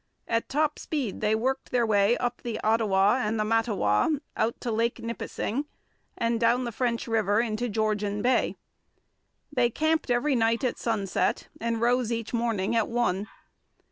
At top speed they worked their way up the Ottawa and the Mattawa out to Lake Nipissing, and down the French River into Georgian Bay. They camped every night at sunset, and rose each morning at one.